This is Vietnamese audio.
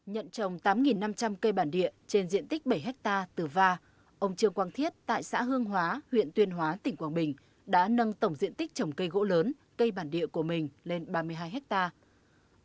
nhận trồng tám năm trăm linh cây bản địa trên diện tích bảy hectare từ va ông trương quang thiết tại xã hương hóa huyện tuyên hóa tỉnh quảng bình đã nâng tổng diện tích trồng cây gỗ lớn cây bản địa của mình lên ba mươi hai hectare